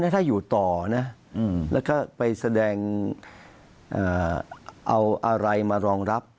ถ้าอยู่ต่อนะแล้วก็ไปแสดงเอาอะไรมารองรับ